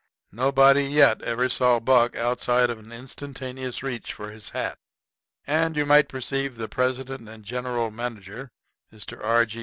Nobody yet ever saw Buck outside of an instantaneous reach for his hat. And you might perceive the president and general manager, Mr. R. G.